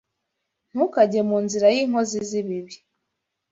Ntukajye mu nzira y’inkozi z’ibibi